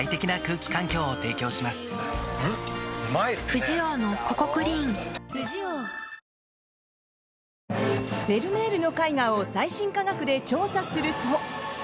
フェルメールの絵画を最新科学で調査すると。